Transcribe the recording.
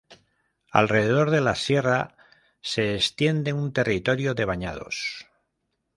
Alrededor de la sierra se extiende un territorio de bañados.